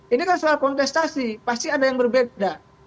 ini kan soal kontestasi pasti ada yang berbeda